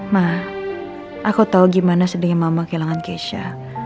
ma aku tau gimana sedangnya mama kehilangan kesha